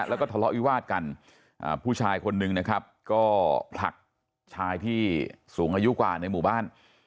แล้วก็ทะเลาะวิวาดกันผู้ชายคนนึงนะครับก็ผลักชายที่สูงอายุกว่าในหมู่บ้าน